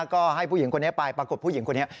ก็ให้ผู้หญิงคนนี้ไปปรากฏผู้หญิงคนนี้